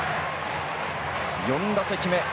４打席目。